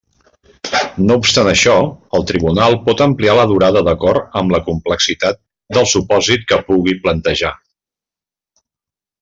No obstant això, el Tribunal pot ampliar la durada d'acord amb la complexitat del supòsit que pugui plantejar.